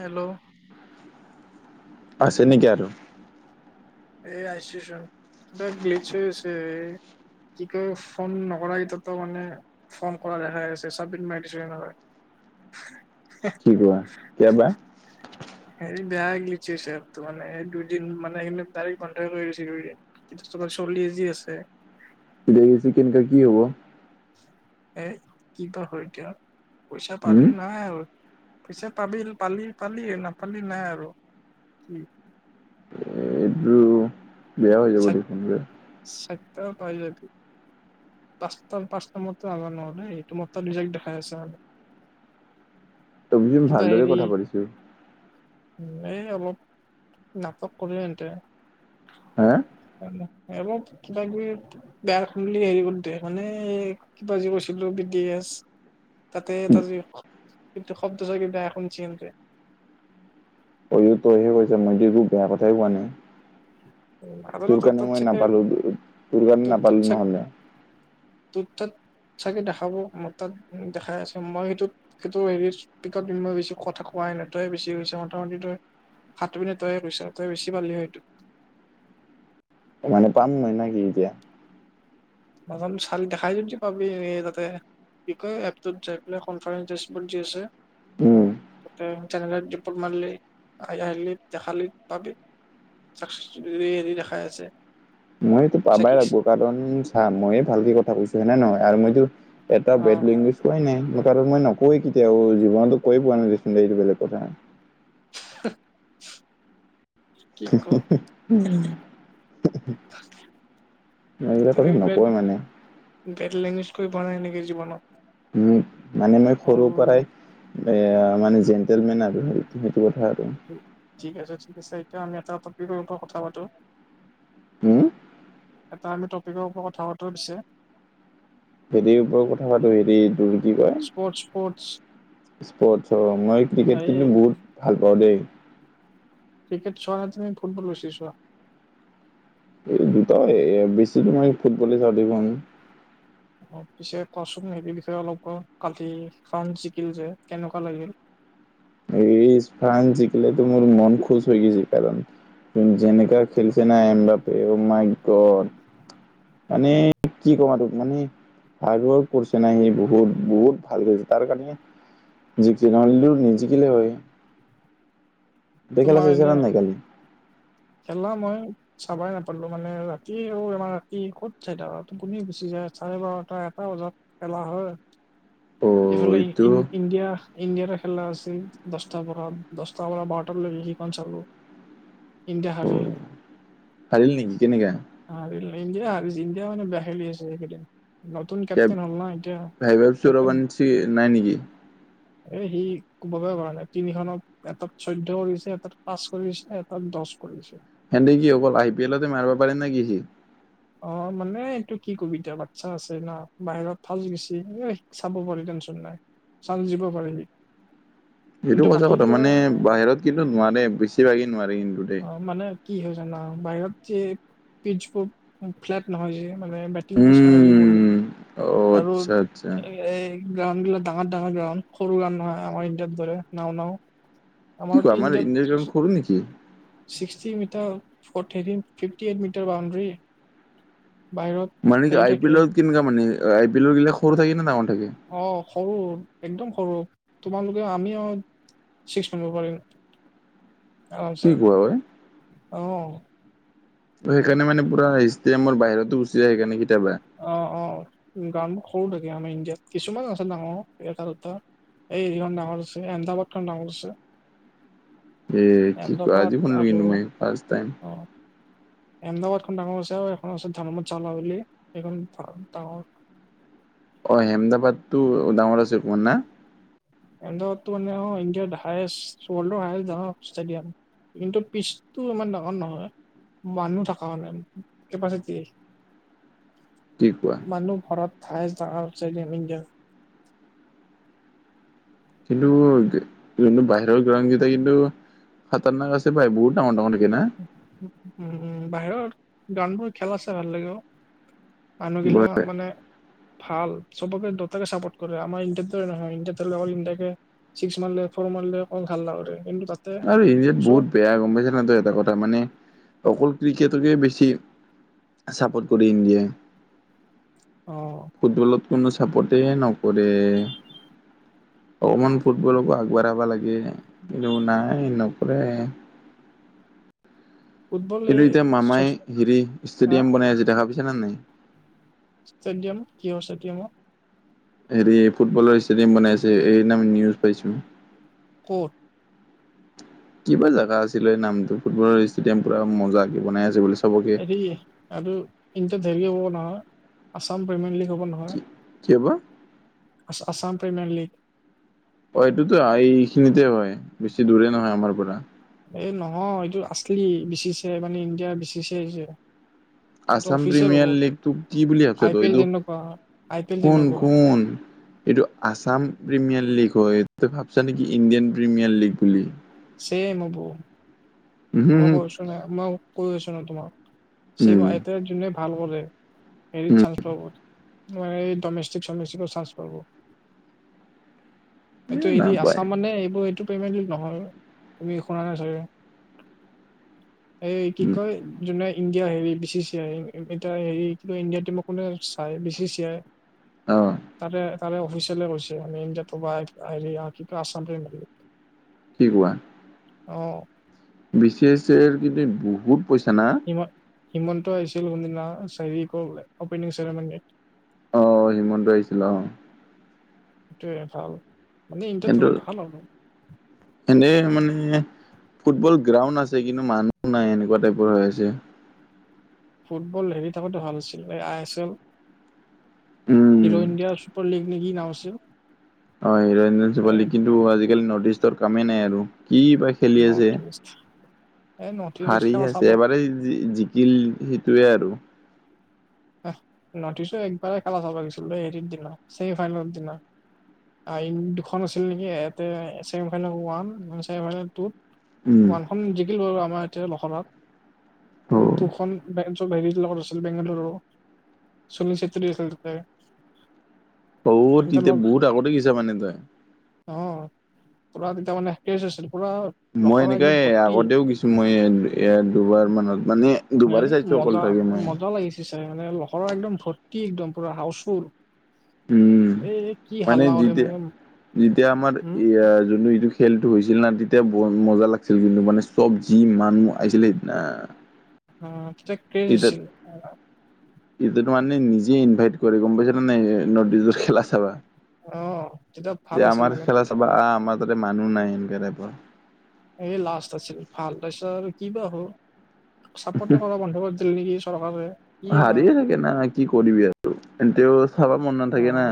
Hello. আছে নেকি আৰু? এই [unintelligible] [unintelligible] কি কয় ফোন নকৰাকেইটাটো তাতো মানে ফোন কৰা দেখাই আছে, চাবমিট মাৰি দিছোঁ সেইকাৰণে। [unintelligible] কি কোৱা, কেতিয়াবা। হেই বেয়া গ্লিটচ হৈছে মানে এপটো মানে দুইদিন মানে এইবিলাক ডাইৰেক্ট কন্ট্ৰেক্ট [unintelligible] কিন্ত চলি যে আছে। দেৰি হৈছে কেনেকা কি হ'ব। এ কিবা হয় এতিয়া পইচা-পালি হম নাই আৰু। পিছে পাবিল পালি, পালি, নাপালি নাই আৰু কি। এইটো বেয়া হৈ যাব দেখোন বেহ। চত্য পাইলাবি পাঁচটাৰ পাছ নম্বৰটো আমাৰ নহ'লেই এইটো মোৰ তাত ৰিজেক্ট দেখাই আছে মানে। তুমিয়ো কিবা ভালদৰে হেৰি কথা পাতিছোঁ। এই অলপ নাটক কৰি এ এনতে হে এইবোৰত কিবাকি। গায়গ বুলি হেৰি কৰি দে মানে কিবা যি কৈছিলোঁ বিটি এছ। তাতে এটা যি কিন্তু শব্দ [unintelligible] এই তইহে কৈছোঁ, মইতো একো বেয়া কথাই কোৱা নাই। নাজানো তোৰ কাৰণে তাত মই চাগে নাপালোঁ, তোৰ কাৰণে তোৰ তাত নাপালোঁ চাগ নহ'লে। তোৰ তাত চাগে দেখাব মই তাত দেখাই আছোঁ মই সেইটোত সেইটো হেৰি ৰি স্পেকাৰত দিম ভাবিছোঁ কথা কোৱাই নাই, আৰু তই বেছি কৈছা মোটামুটি তই। সাত মিনিট তয়ে কৈছা, তই বেছি পালি সেইটো। মানে পাম নহ নে কি এতিয়া। নাজানোঁ চালি দেখাই যদি পাবি এই তাতে। কি কয় এপটোত যাই পেলাই কনফাৰেঞ্চ দিচ বৰ্ড যে আছে। উম। [inaudible] জেনেৰেল ৰিপৰ্ট মাৰলি আহ, আহলি দেখালি পাবি। [inaudible] হেৰি দেখাই আছে। মইতো পাবাই চাকিচ লাগবো কাৰণ চা ময়ে ভালকে কথা কৈছো হৈনে নহয় আৰু মইতো এটা অ বেটলিংগুজ। কোৱাই নাই, নকওঁৱেই কেতিয়াও। জীৱনতো কৈয়ে পোৱা নাই দেচোন। দেন, এইটো বেলেগ কথা। [unintelligible] কি ক [unintelligible] মই এইবিলাক কথা নকওঁ, মানে। বেট লেংগুৱেজ কয় পোৱা নাই নেকি জীৱনত? উম, মানে মই অ সৰুৰ পৰাই। এয়া, মানে জেন্টেলমেন, আৰু তুমিটো বহুত ভাল, আৰু। ঠিক আছে, ঠিক আছে। এতিয়া আমি এটা টপিকৰ ওপৰত কথা পাতোঁ। উম। এটা আমি টপিকৰ ওপৰত কথা পাতোঁ, পিছে। হেৰিৰ ওপৰত কথা পাতোঁ। হেৰি, এইটো কি কয়? Sports, sports. পটছৰ মই ক্ৰিকেট এই কিন্তু বহুত ভাল পাওঁ দেই। ক্ৰিকেট চোৱা নে তুমি ফুটবল বেছি চোৱা? এই দুটা ইয়াত বেছিতো নাই। ফুটবলে চাওঁ দেখোন। মোক পিছে কচোন, হেৰি, এই বিষয়ে অলপ কোৱা। কালি ফ্ৰান্স জিকিল যে, কেনেকুৱা লাগিল? এই ফ্ৰান্স জিকিলে তো মোৰ মন খুচ হৈ গেছি, কাৰণ যেনেকৈ খেলিছে না, এম বাপে, অ' মাই গড! মানে কি ক'ম আৰু, মানে হাৰ্ড ৱৰ্ক কৰিছে না সি, বহুত বহুত ভাল কৰিছে তাৰ কাৰণে। জিকিল নহয়, লু, নিজিকিলে হয়? গোটেই খেল তোমাৰ চাই এনে নে নাই কালি? খেলা মই। চাবই নাপালোঁ, মানে ৰাতি আৰু আমাৰ কি ক'ত চাই? [inaudible] টোপনি গুচি যায়, চাৰে বাৰটা-এটা বজাত। খেলা হয় অ এইফালে, এইটো ই-ইণ্ডিয়া? ইণ্ডিয়াৰ খেলা আছিল, দচটাৰ পৰা দচটাৰ পৰা বাৰটালৈ। সেইখন চালোঁ। ইণ্ডিয়া অ হালিল। হাৰিল নেকি কেনেকা? হাৰিল ইণ্ডিয়া, আৰু ইণ্ডিয়া মানে বেয়া খেলি আছে এইকেইদিন। নতুন কেপ্টেইন হ'ল না এতিয়া, ভাবিছো কেপ্টেইন? ৰবানঞ্চি নাই নেকি এ সি ক'বলৈ পৰা নাই, তিনিখনত এটাত চৈধ্য লিখিছে, এটাত পাঁচ কৰিছে। [inaudible] দচ কৰি নিছে। হেন্তে কি হ'ব? আই পি এলতে মাৰিব পাৰি নে কি, যি? অ', মানে, এইটো কি ক'বি? এতিয়া বাচ্চা আছে ন, বাহিৰত ফাষ্ট গৈছে? চাব পাৰি, টেনশ্যন নাই। চাল দিব পাৰি। এইটো কিন্তু সঁচা বাকী কথা, গিলা মানে বাহিৰত কিন্তু নোৱাৰে, বেছিভাগেই নোৱাৰে কিন্তু। দেই অ', মানে কি হয় জানা, বাহিৰত যে পিচবোৰ ফ্লেট নহয় যে, মানে। [inaudible] কি, পিছ চাৰিইয়ালি উম পৰলু অ আৰু আচ্ছা আচ্ছা এ, এ। এই গ্ৰাউণ্ডবিলাক ডাঙৰ ডাঙৰ গ্ৰাউণ্ড, সৰু গ্ৰাউণ্ড নহয়, আমাৰ ইণ্ডিয়াৰ দৰে নাও নাও। আমাৰটো ইণ্ডিয়াত। হ'ল নেকি? ছিক্সটি মিটাৰ পথেদি, ফিফটি এইট মিটাৰ বাউণ্ডেৰী বাহিৰত। মানে কি, হেৰি আই পি থাকে এলৰ কেনেকোৱা মানে? আই পি এলখিলা সৰু থাকে নে ডাঙৰ থাকে? অ', সৰু, একদম সৰু। তোমালোকে আমি অ? চিক্স মাৰব পাৰি নে কি আৰামচে, কোৱা হয় অ'? সেইকাৰণে, মানে পুৰা হিষ্টমাৰ বাহিৰতো গুচি যায়, সেইকাৰণে কেতিয়াবা। অ', অ', গানবোৰ সৰু থাকে। আমাৰ ইণ্ডিয়াত কিছুমান আছে ডাঙৰ, এটা-দুটা। এইখন ডাঙৰ আছে অমেদাবাদ খন ডাঙৰ আছে। এ কি কোৱা আজি এহমবাদ শুনিলো আৰু কিন্তু মই ফাৰ্ষ্ট টাইম আহ আহমেদাবাদখন ডাঙৰ আছে আৰু এখন আছে ধৰমচলা বুলি সেইখন ডাঙৰ। অ', হেমদাবাদ টো ডাঙৰ আছে মোৱা না। অহমবাদটো মানে অ', ইণ্ডিয়া হাইষ্ট ৱৰ্লডৰ হাইষ্ট অ', ষ্টেডিয়াম। কিন্তু পিছতটো ইমান ডাঙৰ নহয়। মানুহ থকা নাই কেপাচিটি। কি কোৱা [unintelligible] কিন্তু, যোনটো বাহিৰৰ গ্ৰাউনকেইটা কিন্তু খাতাৰণাক আছে বাই বহুত ডাঙৰ, ডাঙৰ দেখি না। উ, উম', বাহিৰত গ্ৰাউনবোৰ, খেলা চাই ভাল লাগে অ'। মানুহগিলা মানে ভাল সবকে দোটাকে চাপৰ্ট কৰে আমাৰ ইণ্ডিয়াৰ দৰে নহয়, ইণ্ডিয়াত হ'লে অকল ইণ্ডিয়াকে ছিক্স মাৰলে, ফ'ৰ মাৰলে, কম হাল্লা কৰে, কিন্তু তাত আৰু ইণ্ডিয়াত বহুত বেয়া, গ'ম পাইছ নাই ত‌ই এটা কথা মানে অকল ক্ৰিকেটকে বেছি ছাপৰ্ট কৰে ইণ্ডিয়াই অ'। ফুটবলত কোনো ছাপোৰ্টেই নকৰে। অকণমান ফুটবলকো আগবাঢ়াব লাগে, কিন্তু নাই নকৰে। ফুটবল কিন্তু এই এতিয়া মামাই হেৰি, হা ষ্টেডিয়াম বনাই আছে দেখা পাইছা নে নাই? ষ্টেডিয়াম, কিহৰ ষ্টেডিয়াম ও। হেৰি ফুটবলৰ ষ্টেডিয়াম বনাই আছে, এই সেইদিনা খন‌ নিউজত পাইছোঁ। ক'ত? কিবা জাগা আছিলে, নামটো ফুটবলৰ ষ্টেডিয়াম পুৰা মজা কে বনাই আছে বুলি হেৰি, আৰু [unintelligible] হেৰি হ'ব নহয় আছাম পেমেণ্ট লিক হ'ব নহয়। কিবা হ'ব। আ আছাম প্ৰিমিয়াৰ লীগ। অ', এইটোতো এই খিনিতে হয়, বেছি দূৰে নহয় আমাৰ পৰা। এই নহয় এইটো আছিলি, বি চি চি মানে ইণ্ডিয়াৰ বি চি চি যে এইটো আছাম অফিচিয়েল প্ৰিমিয়াৰ হ'ব লীগটোক, কি বুলি আছে আই ত পি এল এইটো যেনেকুৱা আই পি এল শুন, যেনেকুৱা শুন। এইটো আসাম প্ৰিমিয়াৰ লীগ হয়, তই ভাবছা নেকি ইণ্ডিয়ান প্ৰিমিয়াৰ লীগ বুলি? চেম হ'ব। উহু মই হু কৈ আছো না, মই কৈ আছো ন তোমাক সেই উম [unintelligible] যোনে ভাল কৰে উম হেৰিত চান্স পাব, মানে ডমেষ্টিক চমেষ্টিকত চান্স পাব। এ এইটো হেৰি নাপায় আছা মানে, এইবোৰ এইটো পেমেণ্ট নহয় তুমি শুনা নাই চাগে। এই কি উম কয় যোনে ইণ্ডিয়া হেৰি বি চি চি আই এতিয়া হেৰি কিন্তু ইণ্ডিয়া টিমক কোনে চাই বি চি চি আই। অ তাৰে তাৰে অফিচিয়েল কৈছে আমি ইণ্ডিয়া ৰতো আহিলে [unintelligible] কি কোৱা। অ'। বি চি এছ এৰ কিন্তু বহুত পইচা না। ম হিমন্ত আছিল না কোনো দিনা [unintelligible] অপেনিংচেৰামেনিক অ', হিমন্ত আহিছিল অ'। সেইটোৱে ভাল মানে ইণ্ডিৰাত হ'লে ভাল আৰু। এনন্ধেই মানে ফুটবল গ্ৰাউণ্ড আছে কিন্তু মানুহ নাই এনেকুৱা টাইপৰ হৈ আছে। ফুটবল হেৰি থাকো ভাল আছিল এই আই এছ এল উম। হিৰো ইণ্ডিয়া চুপাৰ লীগ নে কি নাম আছে। অ', [unintelligible] কিন্তু আজিকালি নৰ্থ ইষ্টৰ কামেই নাই আৰু কি পাই খেলি আছে, নৰ্থ ইষ্ট এ নৰ্থ ইষ্ট হাৰি খেলা চাব আছে এবাৰেই জিকিল সেইটোৱে আৰু। নৰ্থিষ্টৰ একেবাৰেই খেলা চাব গৈছিল এই হেৰীৰ দিনা ছেমি ফাইনেলৰ দিনা। দুখন আছিল নেকি ইয়াতে semi final one semi final টুত। উম ওৱানখন জিকিল বাৰু আমাৰ এতিয়া লখৰাত অ কিন্ত টুখন [unintelligible] হেৰি লগত আছিল বেংগালুৰুো। চুনিল চেতৰি আছিল তাতে। বহুত সিহঁতৰ এতিয়া লগত বহুত আগতে গৈছা মানে তই? অ', পুৰা তেতিয়া মানে [unintelligible] আছিল পুৰা মই লখৰা একদম এনেকাই ভৰ্তি আগতেও গৈছোঁ মই এইয়া দুবাৰ মানত মানে দুবাৰে এই চাইছো অকল মজা চাগে মই মজা লাগিছে চাই মানে লখৰা একদম ভৰ্তি, একদম পুৰা হাউচফুল। উম, এই কি মানে হাল্লা কৰে যেতিয়া মানে যেতিয়া, আমাৰ উম ই জোনটো এইটো খেলটো হৈছিল না তেতিয়া বৰ মজা লাগিছিল কিন্তু, মানে চব যি মানুহ আহিছিলে সেইদিনা। অ', তেতিয়া ক্ৰেজ আছিল [unintelligible] ইটোত মানে নিজে ইনভাইট কৰে গ'ম পাইছ ন নাই নৰ্থিষ্টৰ খেলা চাবা। অ তেতিয়া ভাল যে আছিল আমাৰ ইমান। খেলা চাবা আহ, আমাৰ তাতে মানুহ নাই এনেকা টাইপৰ। এই লাষ্ট আছিল ভাল, তাৰপিছত আৰু কিবা হ'ল চাপৰ্ট কৰা বন্ধ কৰি দিল নেকি চৰকাৰে। কি বা হাৰিয়ে থাকে না, কি কৰিবি আৰু সিহঁতেও চাবা মন নাথাকে না।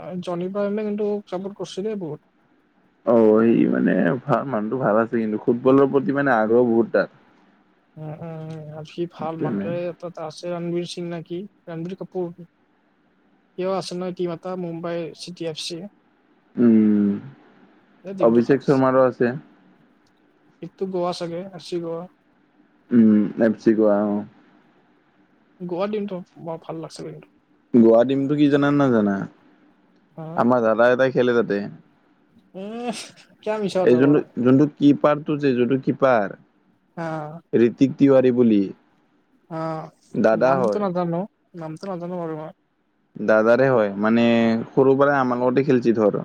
অ', জন ইব্ৰাহিমে কিন্তু চাপৰ্ট কৰিছে কিন্তু বহুত। অ', সি মানে ভাল মানুহতটো ভাল আছে কিন্তু, ফুটবলৰ প্ৰতি মানে আগ্ৰহ বহুত তাৰ। উম, উম, আৰু সি ভাল সেইকাৰণে মানুহটো এ আছে ৰণবীৰ সিং নকি ৰণবীৰ কাপুৰ। সিও আছে নহয়, টিম এটা মুম্বাই চিটি এফ চি। উম, এই টিমটো ভাল অভিষেক শৰ্মাৰো আছে। এইটো গোৱা চাগে আৰ চি গোৱা। উম, এফ চি গোৱা অ'। গোৱা টীমটো বৰ ভাল লাগিছিল কিন্তু। গোৱা টীমতো কি জানা নে না? আমাৰ দাদা এটাই খেলে তাতে। এ কিয়া মিছা এই কথা কোৱা যোনটো যোনটো কিপাৰটো যে যোনটো কিপাৰ। অঁ'। ঋতিক তিৱাৰী বুলি। অ', দাদা নামটো হয়। নাজানো নামটো নাজানো বাৰু মই। দাদাৰে হয়, মানে সৰু পৰাই আমাৰ লগতে খেলছি ধৰ।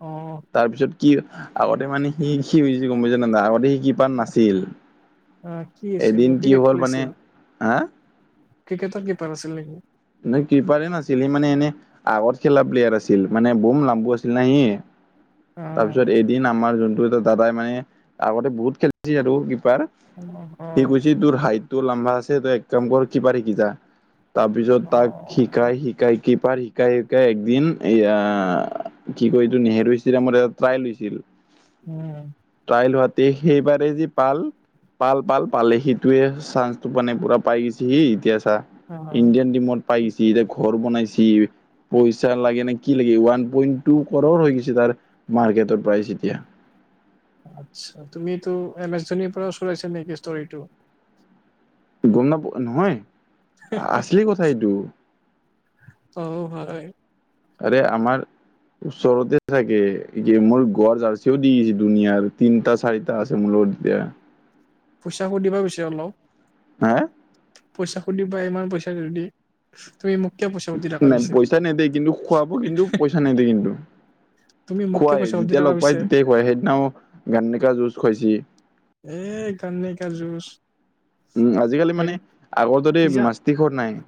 অঁ'। তাৰ পিছত কি আগতে মানে সি সি হৈছে গ'ম পাইছ না আগতে সি কি পাৰ নাছিল আহ, কি আছিল এদিন কি ক্ৰিকেট হ'ল মানে খেলিছিল হা? ক্ৰিকেটৰ কিপাৰ আছিল নেকি? নাই কিপাৰে নাছিল, সি মানে এনে আগত খেলা প্লেয়াৰ আছিল, মানে বম লম্বো আছিল নাই সি। অ তাৰপিছত এদিন আমাৰ যোনটো এটা দাদাই মানে আগতে বহুত খেলিছিল আৰু কিপাৰ। অ', সি অ'। কৈছে তোৰ হাইট টো লম্বা আছে তই এক কাম কৰ কিপাৰ শিক যা তাৰ পিছত তাক শিকাই শিকাই কিপাৰ শিকাই শিকাই একদিন এয়া কি কয় এইটো নেহেৰু ষ্টেডিয়ামত এটা ট্ৰাইল হৈছিল। উম। ট্ৰাইল হোৱাতেই সেইবাৰেই যি পাল পাল পাল পালে সিটোৱে চান্সটো মানে পুৰা পাই গৈছে সি এতিয়া চা। হ্যাঁ, ইণ্ডিয়ান টিমত পাই গিছে এতিয়া ঘৰ বনাইছে। পইচা লাগে নে কি লাগে ওৱান পইন্ট টু কৰৰ হৈ গৈছে তাৰ মাৰ্কেটৰ প্ৰাইচ এতিয়া। আচ্ছা, তুমি এইতো এম এছ ধোনিৰ পৰাও চৰাইছা নেকি ষ্টৰিটো? গ'ম নাপও নহয়, আছিলি কথা এইটো। অহ, হয়। আৰে আমাৰ ওচৰতে থাকে গেমৰ গুৱা জাৰ্চিও দি দিছে দুুনীয়াৰ তিনিটা চাৰিটা। টা আছে মোৰ লগত এতিয়া। পইচা সুধিবা পিছে অলপ। হা! পইচা সুধিবা, ইমান পইচা যদি। তুমি মোক কিয় পইচা সুধি থাকা নাই পিছে পইচা নেদেয়, কিন্তু খোৱাব কিন্তু পইচা নেদেয় কিন্তু। তুমি মোক কিয় খুৱায় পইচা সুধি যেতিয়া থাকা লগ পাই পিছে তেতিয়াই খুৱায়, সেইদিনাও গাননেকা জুছ খুৱাইছে। এই গাননেকা জুছ। উম, আজিকালি মানে আগৰ দৰে মাষ্টীকৰ নাই।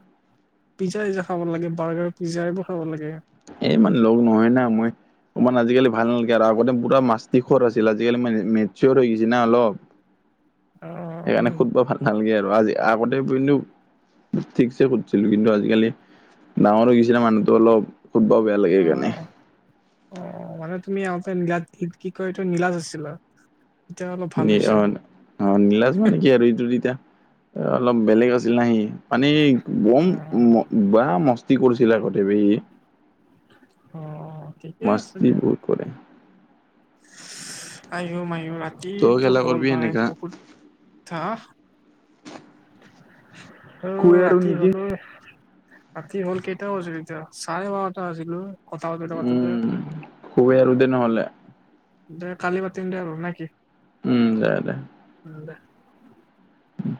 পিজ্জা-চিজ্জা খাব লাগে, বাৰগাৰ পিজ্জা এইবোৰ খাব লাগে। এই ইমান লগ নহয় না মই। অকমান আজিকালি ভাল নালাগে আৰু আগতে পুৰা মাষ্টিকৰ আছিল, আজিকালি মানে মেটচৰ হৈ গৈছে না অলপ। [inaudible] সেইকাৰণে সুধবা ভাল নালাগে আৰু আজি আ-আগতে কিন্তু ঠিকছে সুধছিলোঁ কিন্তু আজিকালি ডাঙৰ হৈ গেইছিনা মানুহটো অলপ। সুধবাও বেয়া লাগে সেইকাৰণে। অহ, মানে তুমি আগতে নীলাগ, কি-কি কয় এইটো নীলাজ আছিলা। এতিয়া অলপ ভাল নী হৈছা অহ'। অহ, নীলাজ মানে কি আৰু এইটো তেতিয়া অলপ বেলেগ আছিল ন' সি। মানে বম অ বেয়া মস্তি কৰিছিল আগতে বে সি। অহ। মাস্তি বহুত কৰে। আয়ো মায়ো তই ৰাতিত খেলা হ'ল কৰিবি পাৰে সেনেকা বহুত [unintelligible] অহ শুৱে আৰু ৰাতি নেকি? হ'ল এই। ৰাতি হ'ল কেইটা বাজিল এতিয়া, চাৰে বাৰটা বাজিল অহ কথা পাতোটে-পাতোটে। শুৱেই আৰু দে নহ'লে। দে কালি পাতিম দে আৰু নেকি? উম, দে-দে। উম, দে। উম।